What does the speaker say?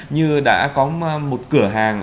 như đã có một cửa hàng